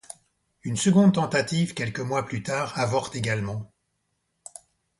Une seconde tentative quelques mois plus tard avorte également.